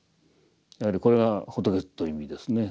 やはりこれが仏という意味ですね。